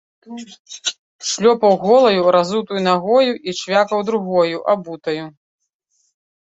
Шлёпаў голаю, разутаю нагою і чвякаў другою, абутаю.